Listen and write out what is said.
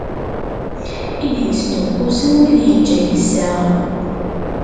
I d-yesduqqusen wid yeǧǧa yiseɣ.